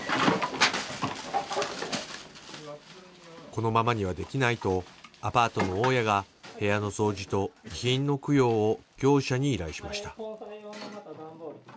このままにはできないとアパートの大家が部屋の掃除と遺品の供養を業者に依頼しました。